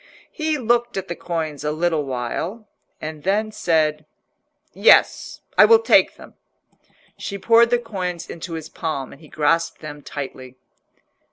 He looked at the coins a little while, and then said— "Yes, I will take them." She poured the coins into his palm, and he grasped them tightly.